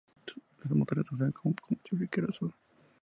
Estos motores usan como combustible queroseno.